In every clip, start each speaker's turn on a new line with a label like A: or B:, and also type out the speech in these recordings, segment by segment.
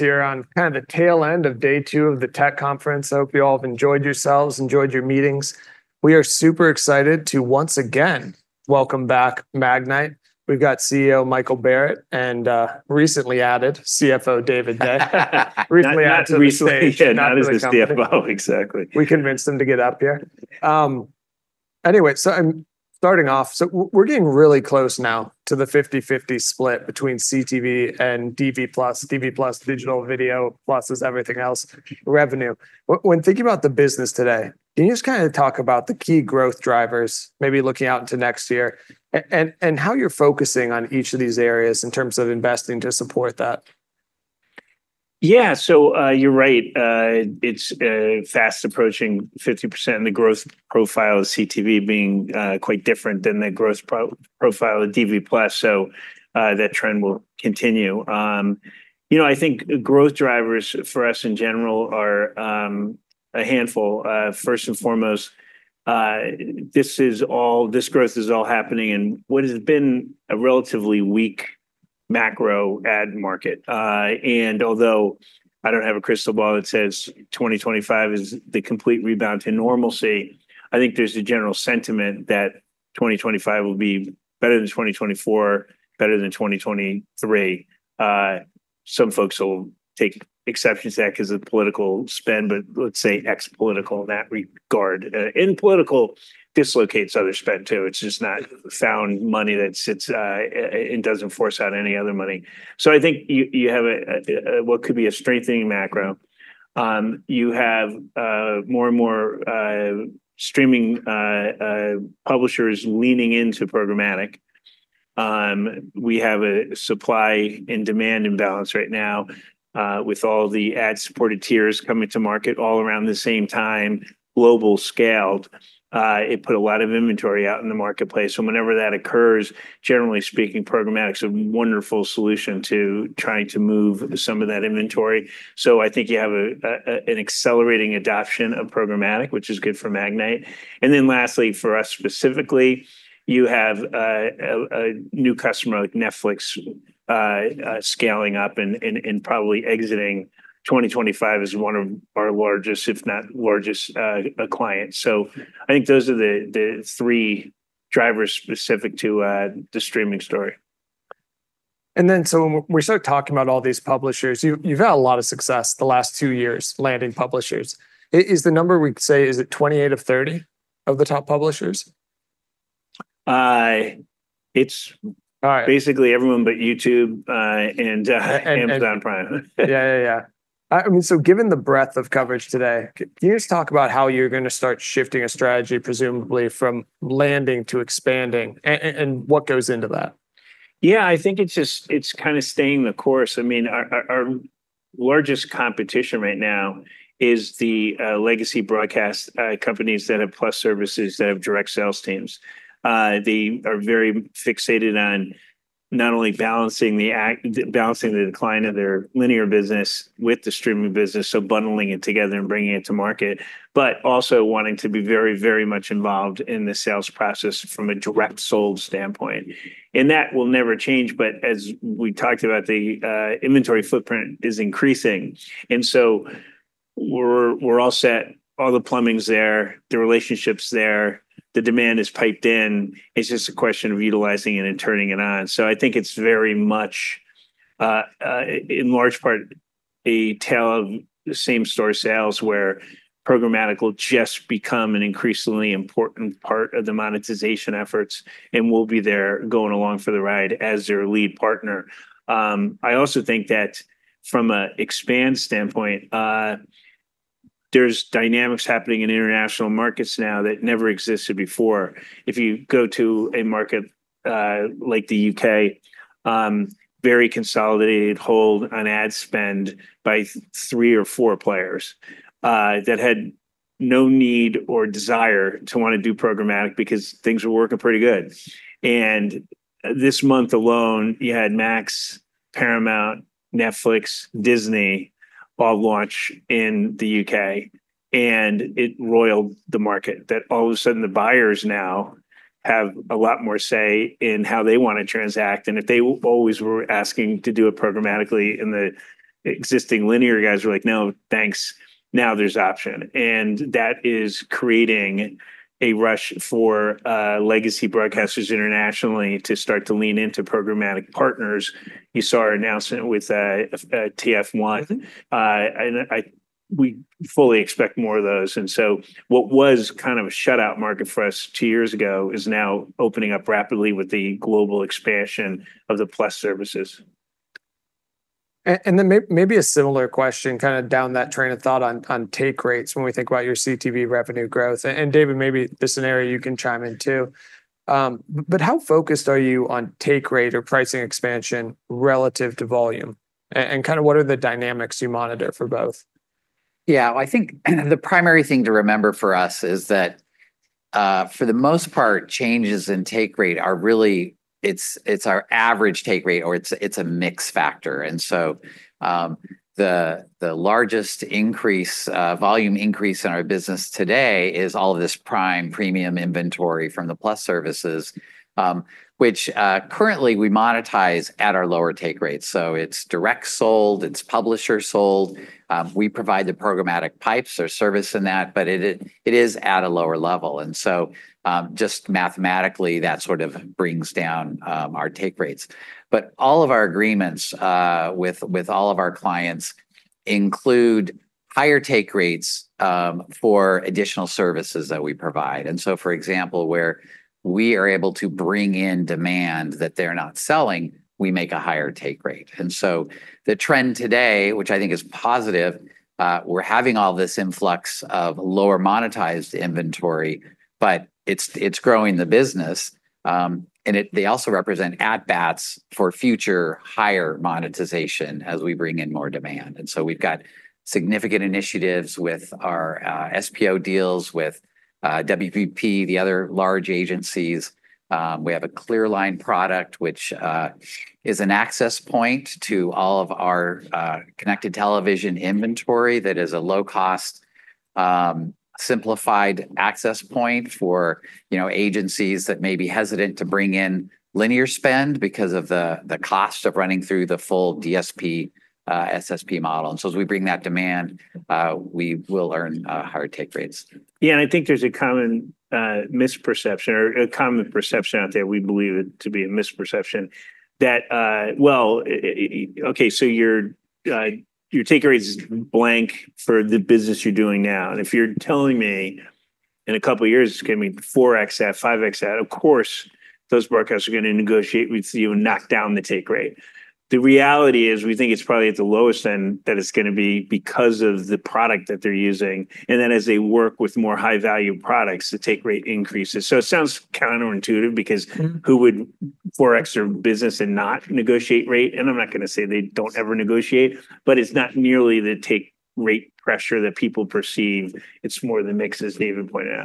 A: Here, on kind of the tail end of day two of the tech conference. I hope you all have enjoyed yourselves, enjoyed your meetings. We are super excited to once again welcome back Magnite. We've got CEO Michael Barrett and recently added CFO David Day.
B: Not this weekend. Not as a CFO. Exactly.
A: We convinced him to get up here. Anyway, so I'm starting off. So we're getting really close now to the 50/50 split between CTV and DV+. DV+, digital video plus everything else, revenue. When thinking about the business today, can you just kind of talk about the key growth drivers, maybe looking out into next year, and how you're focusing on each of these areas in terms of investing to support that?
B: Yeah, so you're right. It's fast approaching 50%. The growth profile of CTV being quite different than the growth profile of DV+. So that trend will continue. You know, I think growth drivers for us in general are a handful. First and foremost, this growth is all happening in what has been a relatively weak macro ad market. And although I don't have a crystal ball that says 2025 is the complete rebound to normalcy, I think there's a general sentiment that 2025 will be better than 2024, better than 2023. Some folks will take exceptions to that because of the political spend, but let's say ex-political in that regard. And political dislocates other spend too. It's just not found money that sits and doesn't force out any other money. So I think you have what could be a strengthening macro. You have more and more streaming publishers leaning into programmatic. We have a supply and demand imbalance right now with all the ad-supported tiers coming to market all around the same time, global scale. It put a lot of inventory out in the marketplace. And whenever that occurs, generally speaking, programmatic is a wonderful solution to trying to move some of that inventory. So I think you have an accelerating adoption of programmatic, which is good for Magnite. And then lastly, for us specifically, you have a new customer like Netflix scaling up and probably exiting. 2025 is one of our largest, if not largest, clients. So I think those are the three drivers specific to the streaming story.
A: When we start talking about all these publishers, you've had a lot of success the last two years landing publishers. Is the number we could say 28 of 30 of the top publishers?
B: It's basically everyone but YouTube and Amazon Prime.
A: Yeah, yeah, yeah. I mean, so given the breadth of coverage today, can you just talk about how you're going to start shifting a strategy, presumably from landing to expanding and what goes into that?
B: Yeah, I think it's just kind of staying the course. I mean, our largest competition right now is the legacy broadcast companies that have Plus services that have direct sales teams. They are very fixated on not only balancing the decline of their linear business with the streaming business, so bundling it together and bringing it to market, but also wanting to be very, very much involved in the sales process from a direct sold standpoint. And that will never change. But as we talked about, the inventory footprint is increasing. And so we're all set. All the plumbing's there, the relationship's there, the demand is piped in. It's just a question of utilizing it and turning it on. So I think it's very much, in large part, a tale of same-store sales where programmatic will just become an increasingly important part of the monetization efforts and will be there going along for the ride as their lead partner. I also think that from an expand standpoint, there's dynamics happening in international markets now that never existed before. If you go to a market like the U.K., very consolidated hold on ad spend by three or four players that had no need or desire to want to do programmatic because things were working pretty good. And this month alone, you had Max, Paramount, Netflix, Disney all launch in the U.K., and it roiled the market that all of a sudden the buyers now have a lot more say in how they want to transact. And if they always were asking to do it programmatically and the existing linear guys were like, no, thanks. Now there's an option. And that is creating a rush for legacy broadcasters internationally to start to lean into programmatic partners. You saw our announcement with TF1, and we fully expect more of those. And so what was kind of a shutout market for us two years ago is now opening up rapidly with the global expansion of the Plus services.
A: And then, maybe a similar question kind of down that train of thought on take rates when we think about your CTV revenue growth. And David, maybe this scenario you can chime in too. But how focused are you on take rate or pricing expansion relative to volume? And kind of what are the dynamics you monitor for both?
C: Yeah, I think the primary thing to remember for us is that for the most part, changes in take rate are really, it's our average take rate or it's a mixed factor. And so the largest increase, volume increase in our business today is all of this prime premium inventory from the Plus services, which currently we monetize at our lower take rate. So it's direct sold, it's publisher sold. We provide the programmatic pipes or service in that, but it is at a lower level. And so, for example, where we are able to bring in demand that they're not selling, we make a higher take rate. And so the trend today, which I think is positive, we're having all this influx of lower monetized inventory, but it's growing the business. And they also represent at-bats for future higher monetization as we bring in more demand. And so we've got significant initiatives with our SPO deals with WPP, the other large agencies. We have a ClearLine product, which is an access point to all of our connected television inventory that is a low-cost simplified access point for agencies that may be hesitant to bring in linear spend because of the cost of running through the full DSP SSP model. And so as we bring that demand, we will earn higher take rates.
B: Yeah, and I think there's a common misperception or a common perception out there. We believe it to be a misperception that, well, okay, so your take rate is blank for the business you're doing now. And if you're telling me in a couple of years, it's going to be 4x that, 5x that, of course, those broadcasts are going to negotiate with you and knock down the take rate. The reality is we think it's probably at the lowest end that it's going to be because of the product that they're using. And then as they work with more high-value products, the take rate increases. So it sounds counterintuitive because who would 4x their business and not negotiate rate? And I'm not going to say they don't ever negotiate, but it's not nearly the take rate pressure that people perceive. It's more the mix, as David pointed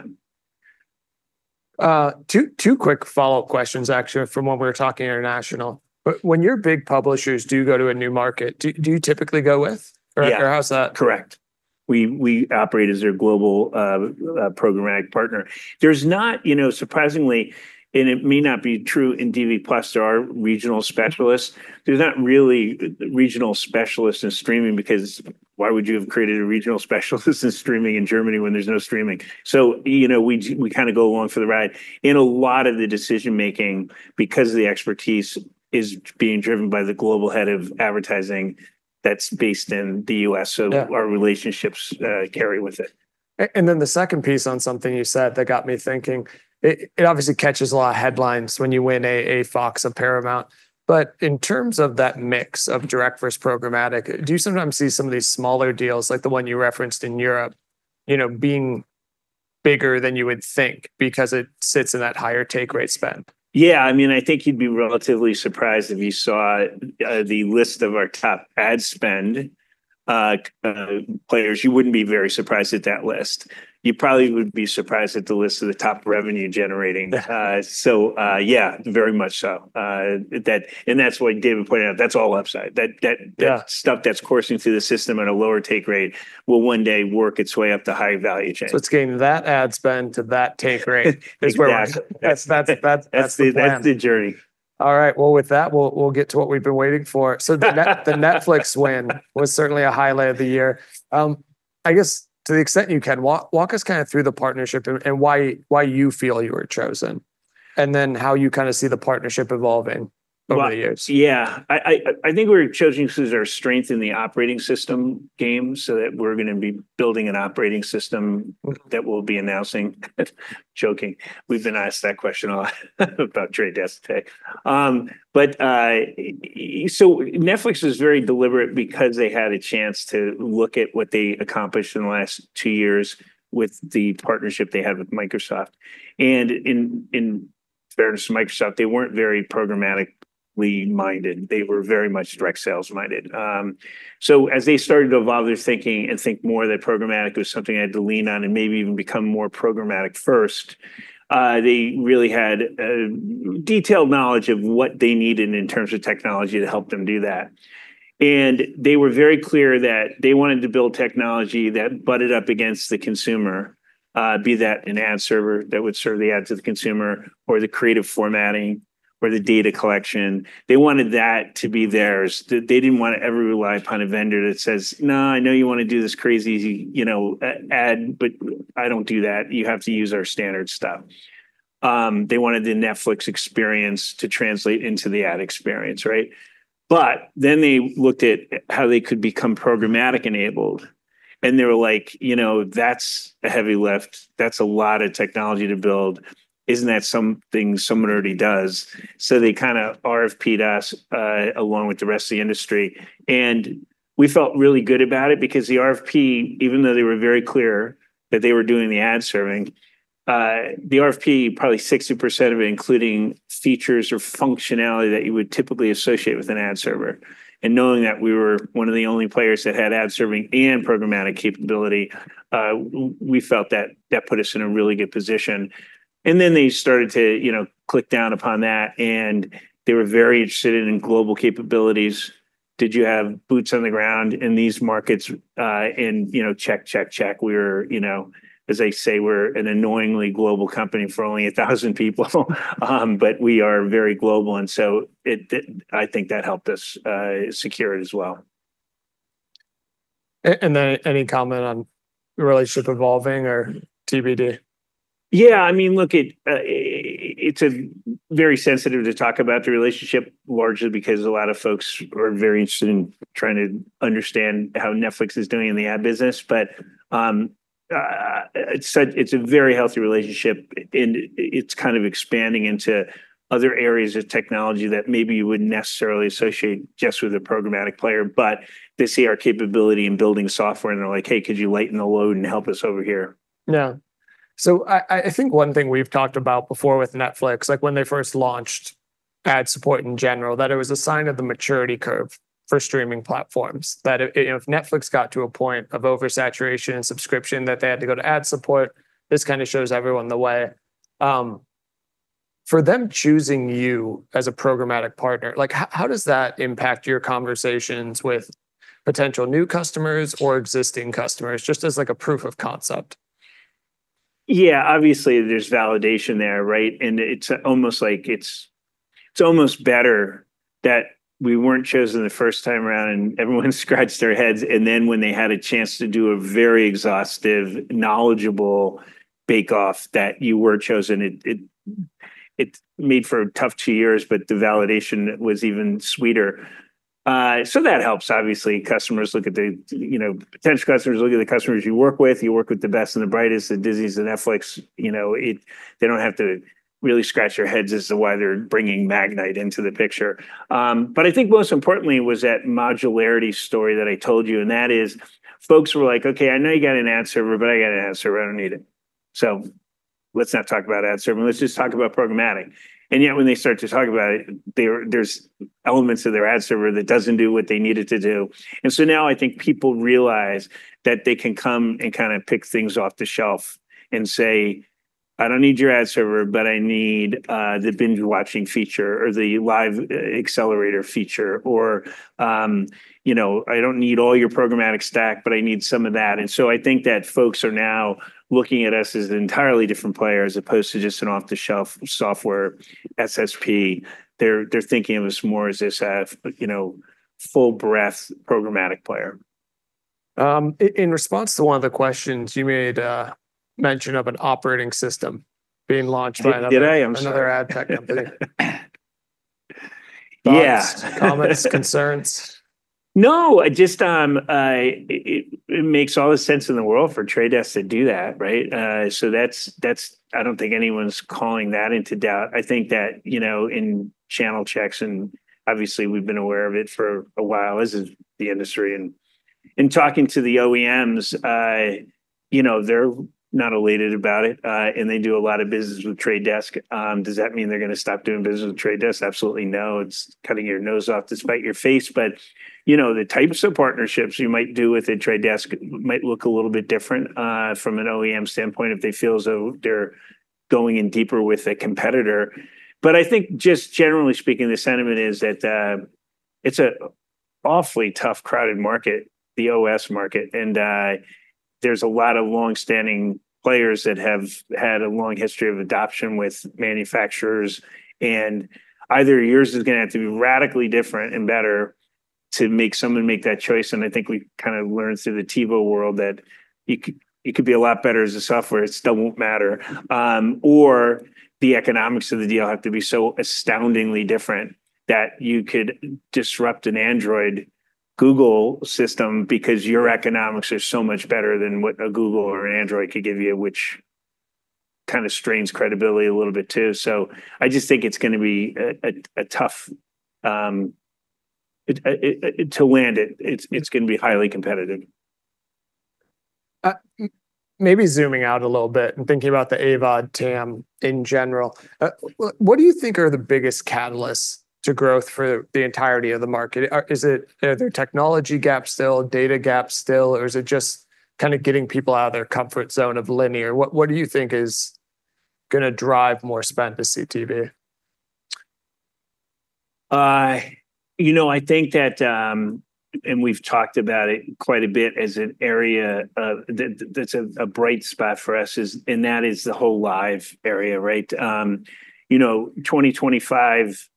B: out.
A: Two quick follow-up questions, actually, from when we were talking international. When your big publishers do go to a new market, do you typically go with? Or how's that?
B: Correct. We operate as their global programmatic partner. There's not, surprisingly, and it may not be true in DV+, there are regional specialists. There's not really regional specialists in streaming because why would you have created a regional specialist in streaming in Germany when there's no streaming? So we kind of go along for the ride. And a lot of the decision-making because of the expertise is being driven by the global head of advertising that's based in the U.S. So our relationships carry with it.
A: And then the second piece on something you said that got me thinking. It obviously catches a lot of headlines when you win a Fox or Paramount. But in terms of that mix of direct versus programmatic, do you sometimes see some of these smaller deals, like the one you referenced in Europe, being bigger than you would think because it sits in that higher take rate spend?
B: Yeah, I mean, I think you'd be relatively surprised if you saw the list of our top ad spend players. You wouldn't be very surprised at that list. You probably would be surprised at the list of the top revenue-generating. So yeah, very much so. And that's what David pointed out. That's all upside. That stuff that's coursing through the system at a lower take rate will one day work its way up the high-value chain.
A: It's getting that ad spend to that take rate.
B: Exactly. That's the journey.
A: All right. With that, we'll get to what we've been waiting for. The Netflix win was certainly a highlight of the year. I guess to the extent you can, walk us kind of through the partnership and why you feel you were chosen and then how you kind of see the partnership evolving over the years.
B: Yeah, I think we were chosen because of our strength in the operating system game so that we're going to be building an operating system that we'll be announcing. Joking. We've been asked that question a lot about Trade Desk today, but so Netflix was very deliberate because they had a chance to look at what they accomplished in the last two years with the partnership they had with Microsoft, and in fairness to Microsoft, they weren't very programmatically minded. They were very much direct sales minded, so as they started to evolve their thinking and think more that programmatic was something I had to lean on and maybe even become more programmatic first, they really had detailed knowledge of what they needed in terms of technology to help them do that. They were very clear that they wanted to build technology that butted up against the consumer, be that an ad server that would serve the ad to the consumer or the creative formatting or the data collection. They wanted that to be theirs. They didn't want to ever rely upon a vendor that says, no, I know you want to do this crazy ad, but I don't do that. You have to use our standard stuff. They wanted the Netflix experience to translate into the ad experience, right? But then they looked at how they could become programmatic enabled. And they were like, that's a heavy lift. That's a lot of technology to build. Isn't that something someone already does? So they kind of RFP'd us along with the rest of the industry. We felt really good about it because the RFP, even though they were very clear that they were doing the ad serving, the RFP probably 60% of it, including features or functionality that you would typically associate with an ad server. Knowing that we were one of the only players that had ad serving and programmatic capability, we felt that that put us in a really good position. Then they started to click down upon that. They were very interested in global capabilities. Did you have boots on the ground in these markets? Check, check, check. We were, as they say, we're an annoyingly global company for only 1,000 people, but we are very global. So I think that helped us secure it as well.
A: Then any comment on the relationship evolving or TBD?
B: Yeah, I mean, look, it's very sensitive to talk about the relationship, largely because a lot of folks are very interested in trying to understand how Netflix is doing in the ad business. But it's a very healthy relationship. And it's kind of expanding into other areas of technology that maybe you wouldn't necessarily associate just with a programmatic player. But they see our capability in building software and they're like, hey, could you lighten the load and help us over here?
A: Yeah. So I think one thing we've talked about before with Netflix, like when they first launched ad support in general, that it was a sign of the maturity curve for streaming platforms, that if Netflix got to a point of oversaturation and subscription that they had to go to ad support. This kind of shows everyone the way. For them choosing you as a programmatic partner, how does that impact your conversations with potential new customers or existing customers just as like a proof of concept?
B: Yeah, obviously there's validation there, right? And it's almost like it's almost better that we weren't chosen the first time around and everyone scratched their heads. And then when they had a chance to do a very exhaustive, knowledgeable bake-off that you were chosen, it made for a tough two years, but the validation was even sweeter. So that helps, obviously. Customers look at the potential customers, look at the customers you work with. You work with the best and the brightest, the Disneys, the Netflix. They don't have to really scratch their heads as to why they're bringing Magnite into the picture. But I think most importantly was that modularity story that I told you. And that is folks were like, okay, I know you got an ad server, but I got an ad server. I don't need it. So let's not talk about ad server. Let's just talk about programmatic, and yet when they start to talk about it, there's elements of their ad server that doesn't do what they need it to do, and so now I think people realize that they can come and kind of pick things off the shelf and say, I don't need your ad server, but I need the binge-watching feature or the live accelerator feature or, I don't need all your programmatic stack, but I need some of that, and so I think that folks are now looking at us as an entirely different player as opposed to just an off-the-shelf software SSP. They're thinking of us more as this full-breadth programmatic player.
A: In response to one of the questions you made mention of an operating system being launched by another ad tech company.
B: Yeah.
A: Comments, concerns?
B: No, it makes all the sense in the world for The Trade Desk to do that, right? So I don't think anyone's calling that into doubt. I think that in channel checks, and obviously we've been aware of it for a while as the industry. And in talking to the OEMs, they're not elated about it. And they do a lot of business with The Trade Desk. Does that mean they're going to stop doing business with The Trade Desk? Absolutely no. It's cutting your nose off despite your face. But the types of partnerships you might do with The Trade Desk might look a little bit different from an OEM standpoint if they feel as though they're going in deeper with a competitor. But I think just generally speaking, the sentiment is that it's an awfully tough, crowded market, the OS market. And there's a lot of long-standing players that have had a long history of adoption with manufacturers. And either yours is going to have to be radically different and better to make someone make that choice. And I think we kind of learned through the TiVo world that it could be a lot better as a software. It still won't matter. Or the economics of the deal have to be so astoundingly different that you could disrupt an Android Google system because your economics are so much better than what a Google or an Android could give you, which kind of strains credibility a little bit too. So I just think it's going to be tough to land it. It's going to be highly competitive.
A: Maybe zooming out a little bit and thinking about the AVOD TAM in general, what do you think are the biggest catalysts to growth for the entirety of the market? Is it their technology gaps still, data gaps still, or is it just kind of getting people out of their comfort zone of linear? What do you think is going to drive more spend to CTV?
B: You know, I think that, and we've talked about it quite a bit as an area that's a bright spot for us, and that is the whole live area, right? 2025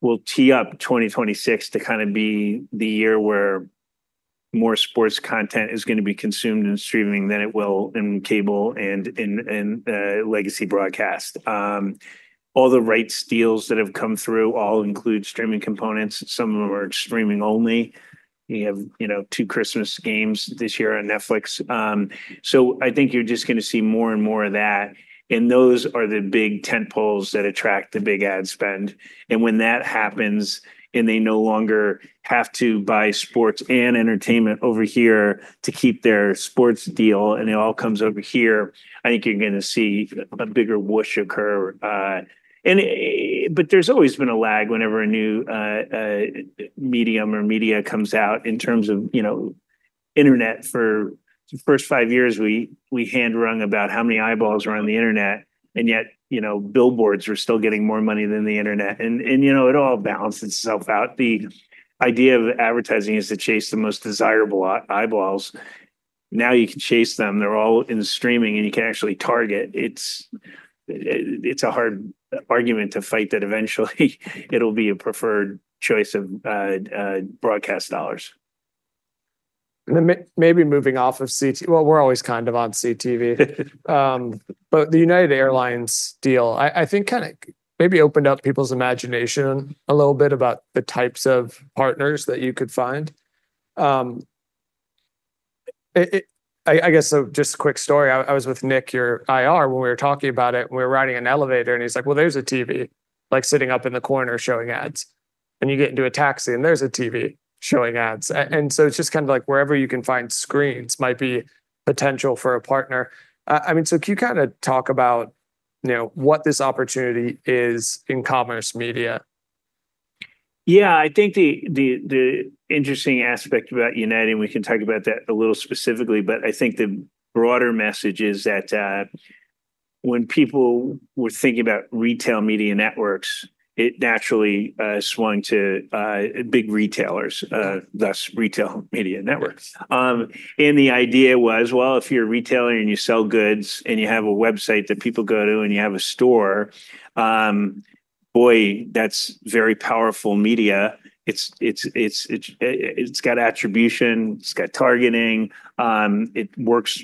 B: will tee up 2026 to kind of be the year where more sports content is going to be consumed in streaming than it will in cable and legacy broadcast. All the rights deals that have come through all include streaming components. Some of them are streaming only. You have two Christmas Games this year on Netflix, so I think you're just going to see more and more of that, and those are the big tentpoles that attract the big ad spend, and when that happens and they no longer have to buy sports and entertainment over here to keep their sports deal and it all comes over here, I think you're going to see a bigger whoosh occur. But there's always been a lag whenever a new medium or media comes out in terms of internet. For the first five years, we hand-wrung about how many eyeballs were on the internet. And yet billboards were still getting more money than the internet. And it all balanced itself out. The idea of advertising is to chase the most desirable eyeballs. Now you can chase them. They're all in streaming and you can actually target. It's a hard argument to fight that eventually it'll be a preferred choice of broadcast dollars.
A: Maybe moving off of CTV. Well, we're always kind of on CTV. But the United Airlines deal, I think kind of maybe opened up people's imagination a little bit about the types of partners that you could find. I guess just a quick story. I was with Nick, your IR, when we were talking about it. We were riding an elevator and he's like, well, there's a TV sitting up in the corner showing ads. And you get into a taxi and there's a TV showing ads. And so it's just kind of like wherever you can find screens might be potential for a partner. I mean, so can you kind of talk about what this opportunity is in commerce media?
B: Yeah, I think the interesting aspect about United, and we can talk about that a little specifically, but I think the broader message is that when people were thinking about retail media networks, it naturally swung to big retailers, thus retail media networks. And the idea was, well, if you're a retailer and you sell goods and you have a website that people go to and you have a store, boy, that's very powerful media. It's got attribution. It's got targeting. It works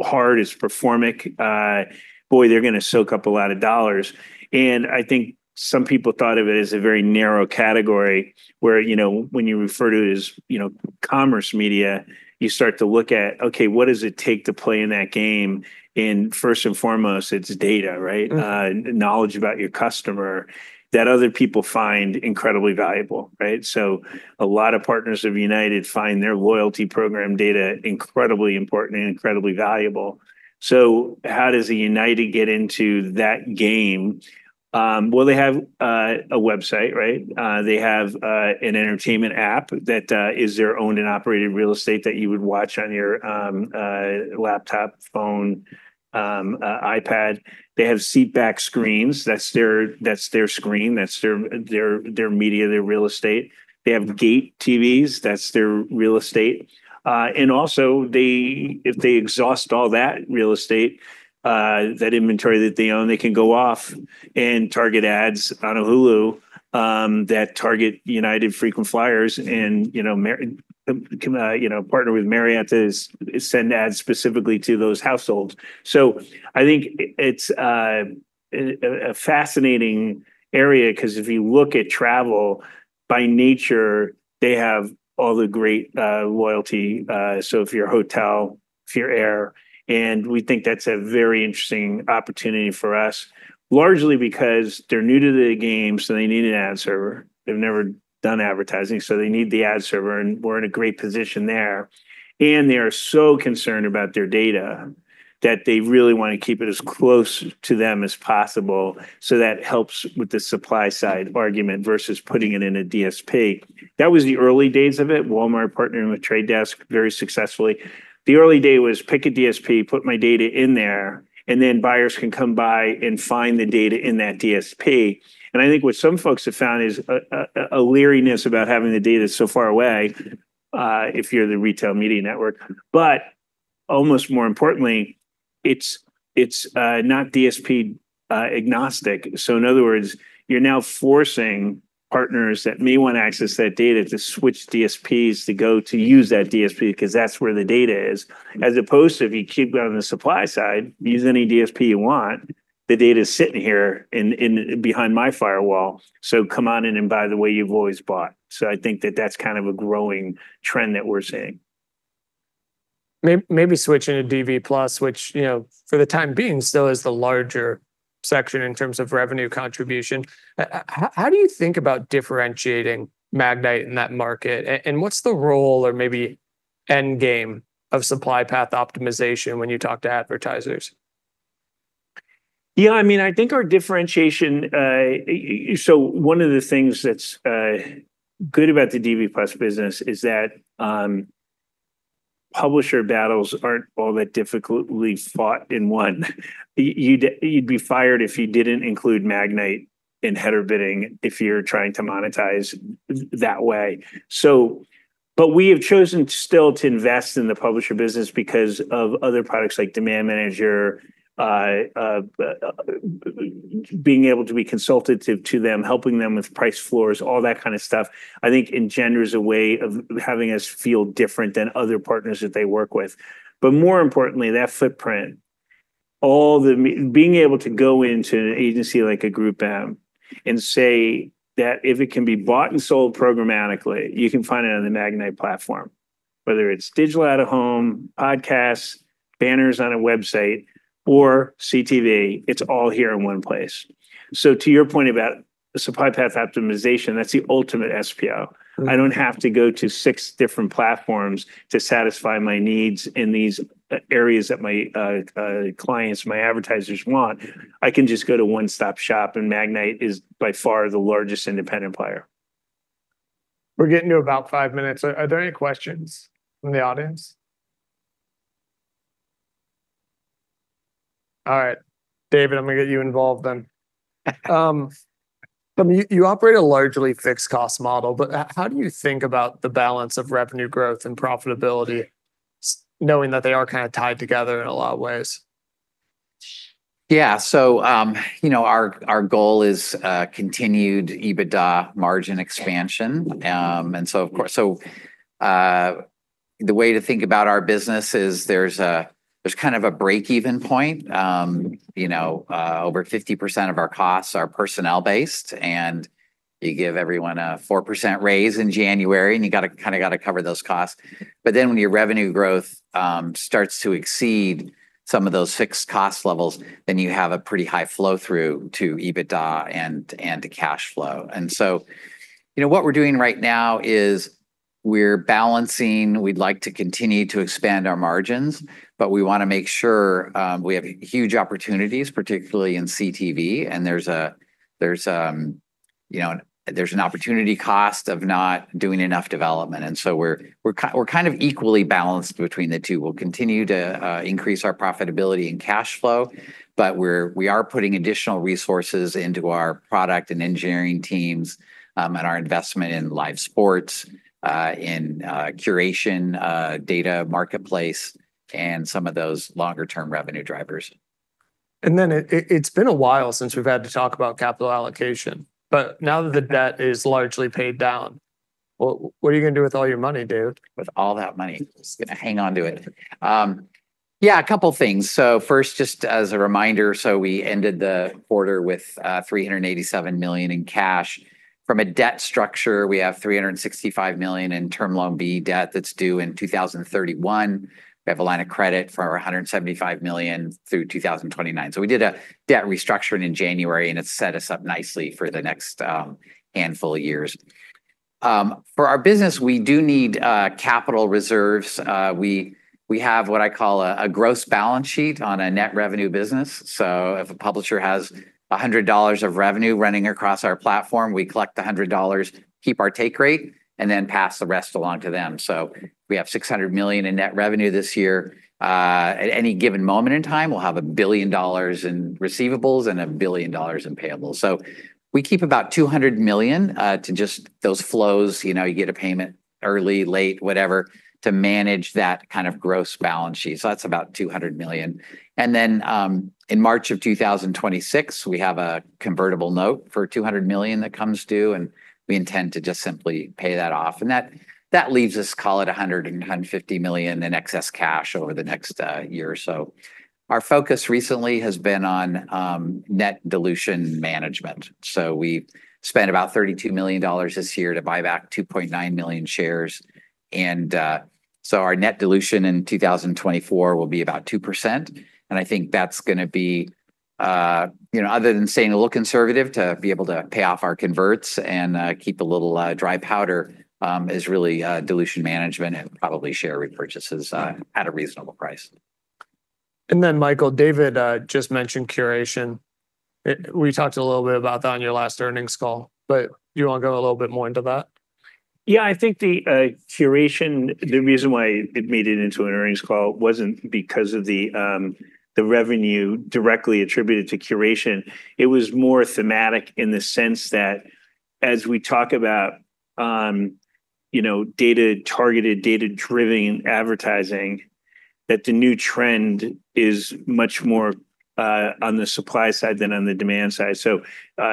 B: hard. It's performance. Boy, they're going to soak up a lot of dollars. And I think some people thought of it as a very narrow category where when you refer to it as commerce media, you start to look at, okay, what does it take to play in that game? And first and foremost, it's data, right? Knowledge about your customer that other people find incredibly valuable, right? So a lot of partners of United find their loyalty program data incredibly important and incredibly valuable. So how does a United get into that game? Well, they have a website, right? They have an entertainment app that is their owned and operated real estate that you would watch on your laptop, phone, iPad. They have seatback screens. That's their screen. That's their media, their real estate. They have gate TVs. That's their real estate. And also, if they exhaust all that real estate, that inventory that they own, they can go off and target ads on a Hulu that target United frequent flyers and partner with Marriott to send ads specifically to those households. So I think it's a fascinating area because if you look at travel, by nature, they have all the great loyalty. If you're a hotel, if you're an airline, we think that's a very interesting opportunity for us, largely because they're new to the game, so they need an ad server. They've never done advertising, so they need the ad server. And we're in a great position there. And they are so concerned about their data that they really want to keep it as close to them as possible. So that helps with the supply side argument versus putting it in a DSP. That was the early days of it. Walmart partnering with Trade Desk very successfully. The early days was pick a DSP, put my data in there, and then buyers can come by and find the data in that DSP. And I think what some folks have found is a leeriness about having the data so far away if you're the retail media network. Almost more importantly, it's not DSP agnostic. In other words, you're now forcing partners that may want to access that data to switch DSPs to go to use that DSP because that's where the data is. As opposed to if you keep going on the supply side, use any DSP you want, the data is sitting here behind my firewall. Come on in and buy the way you've always bought. I think that that's kind of a growing trend that we're seeing.
A: Maybe switching to DV+, which for the time being still is the larger section in terms of revenue contribution. How do you think about differentiating Magnite in that market? And what's the role or maybe end game of supply path optimization when you talk to advertisers?
B: Yeah, I mean, I think our differentiation, so one of the things that's good about the DV+ business is that publisher battles aren't all that difficultly fought in one. You'd be fired if you didn't include Magnite in header bidding if you're trying to monetize that way. But we have chosen still to invest in the publisher business because of other products like Demand Manager, being able to be consultative to them, helping them with price floors, all that kind of stuff. I think in general is a way of having us feel different than other partners that they work with. But more importantly, that footprint, being able to go into an agency like GroupM and say that if it can be bought and sold programmatically, you can find it on the Magnite platform, whether it's digital out of home, podcasts, banners on a website, or CTV, it's all here in one place, so to your point about supply path optimization, that's the ultimate SPO. I don't have to go to six different platforms to satisfy my needs in these areas that my clients, my advertisers want. I can just go to one-stop shop, and Magnite is by far the largest independent player.
A: We're getting to about five minutes. Are there any questions from the audience? All right. David, I'm going to get you involved then. You operate a largely fixed cost model, but how do you think about the balance of revenue growth and profitability, knowing that they are kind of tied together in a lot of ways?
C: Yeah. So our goal is continued EBITDA margin expansion. And so the way to think about our business is there's kind of a break-even point. Over 50% of our costs are personnel-based, and you give everyone a 4% raise in January, and you kind of got to cover those costs. But then when your revenue growth starts to exceed some of those fixed cost levels, then you have a pretty high flow-through to EBITDA and to cash flow. And so what we're doing right now is we're balancing. We'd like to continue to expand our margins, but we want to make sure we have huge opportunities, particularly in CTV. And there's an opportunity cost of not doing enough development. And so we're kind of equally balanced between the two. We'll continue to increase our profitability and cash flow, but we are putting additional resources into our product and engineering teams and our investment in live sports, in curation data, marketplace, and some of those longer-term revenue drivers.
A: It's been a while since we've had to talk about capital allocation, but now that the debt is largely paid down, what are you going to do with all your money, David?
C: With all that money, just going to hang on to it. Yeah, a couple of things. So first, just as a reminder, so we ended the quarter with $387 million in cash. From a debt structure, we have $365 million in Term Loan B debt that's due in 2031. We have a line of credit for $175 million through 2029. So we did a debt restructuring in January, and it's set us up nicely for the next handful of years. For our business, we do need capital reserves. We have what I call a gross balance sheet on a net revenue business. So if a publisher has $100 of revenue running across our platform, we collect the $100, keep our take rate, and then pass the rest along to them. So we have $600 million in net revenue this year. At any given moment in time, we'll have $1 billion in receivables and $1 billion in payables. So we keep about $200 million to just those flows. You get a payment early, late, whatever, to manage that kind of gross balance sheet, so that's about $200 million. And then in March of 2026, we have a convertible note for $200 million that comes due, and we intend to just simply pay that off. And that leaves us, call it $100 million-$150 million in excess cash over the next year or so. Our focus recently has been on net dilution management, so we spent about $32 million this year to buy back 2.9 million shares, and so our net dilution in 2024 will be about 2%. And I think that's going to be, other than staying a little conservative to be able to pay off our converts and keep a little dry powder, is really dilution management and probably share repurchases at a reasonable price.
A: And then, Michael, David just mentioned curation. We talked a little bit about that on your last earnings call, but you want to go a little bit more into that?
B: Yeah, I think the curation, the reason why it made it into an earnings call wasn't because of the revenue directly attributed to curation. It was more thematic in the sense that as we talk about data-targeted, data-driven advertising, that the new trend is much more on the supply side than on the demand side. So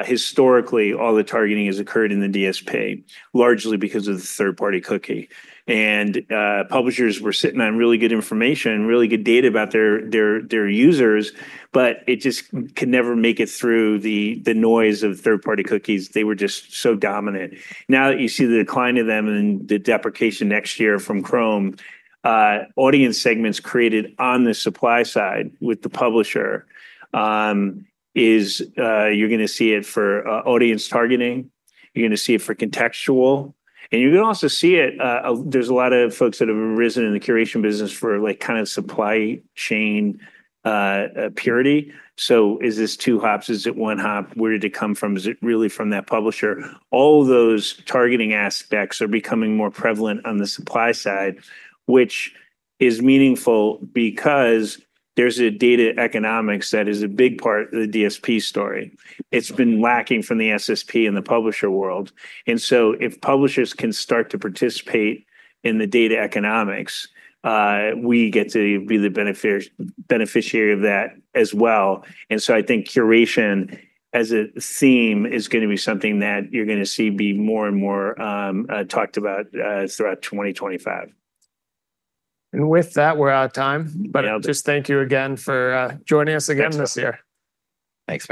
B: historically, all the targeting has occurred in the DSP, largely because of the third-party cookie. And publishers were sitting on really good information, really good data about their users, but it just could never make it through the noise of third-party cookies. They were just so dominant. Now that you see the decline of them and the deprecation next year from Chrome, audience segments created on the supply side with the publisher is you're going to see it for audience targeting. You're going to see it for contextual. You're going to also see it. There's a lot of folks that have risen in the curation business for kind of supply chain purity. So is this two hops? Is it one hop? Where did it come from? Is it really from that publisher? All those targeting aspects are becoming more prevalent on the supply side, which is meaningful because there's a data economics that is a big part of the DSP story. It's been lacking from the SSP and the publisher world. And so if publishers can start to participate in the data economics, we get to be the beneficiary of that as well. And so I think curation as a theme is going to be something that you're going to see be more and more talked about throughout 2025.
A: With that, we're out of time. Just thank you again for joining us again this year.
C: Thanks.